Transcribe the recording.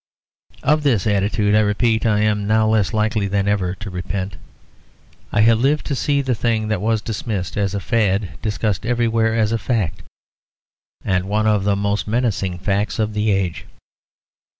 Of this attitude, I repeat, I am now less likely than ever to repent. I have lived to see the thing that was dismissed as a fad discussed everywhere as a fact; and one of the most menacing facts of the age.